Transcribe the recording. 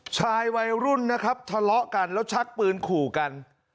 ชายวัยรุ่นนะครับทะเลาะกันแล้วชักปืนขู่กัน